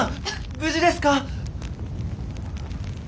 無事ですか！？